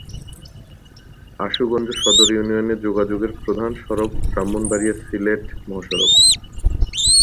আশুগঞ্জ সদর ইউনিয়নে যোগাযোগের প্রধান সড়ক ব্রাহ্মণবাড়িয়া-সিলেট মহাসড়ক।